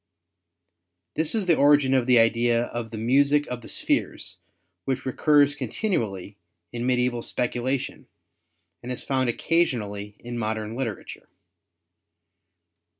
This is the origin of the idea of the music of the spheres which recurs continually in medieval speculation and is found occasionally in modern literature.